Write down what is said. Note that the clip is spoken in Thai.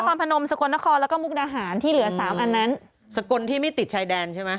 พนมสกลนครแล้วก็มุกดาหารที่เหลือสามอันนั้นสกลที่ไม่ติดชายแดนใช่ไหม